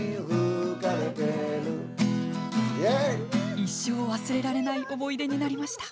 一生忘れられない思い出になりました。